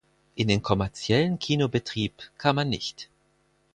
In den kommerziellen Kinobetrieb kam er nicht.